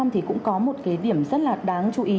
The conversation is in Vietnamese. thì cũng có một cái điểm rất là đáng chú ý